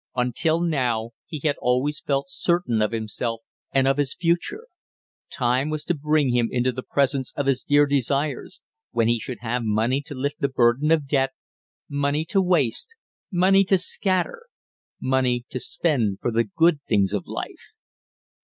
Until now he had always felt certain of himself and of his future; time was to bring him into the presence of his dear desires, when he should have money to lift the burden of debt, money to waste, money to scatter, money to spend for the good things of life.